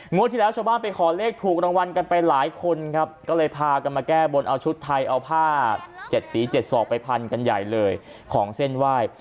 ที่แล้วชาวบ้านไปขอเลขถูกรางวัลกันไปหลายคนครับก็เลยพากันมาแก้บนเอาชุดไทยเอาผ้าเจ็ดสีเจ็ดศอกไปพันกันใหญ่เลยของเส้นไหว้